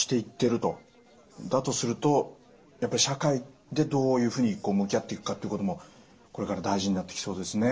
だとするとやっぱり社会でどういうふうに向き合っていくかということもこれから大事になってきそうですね。